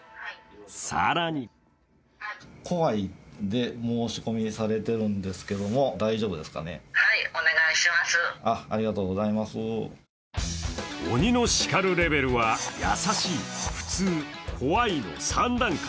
更に鬼の叱るレベルは優しい・普通・怖いの３段階。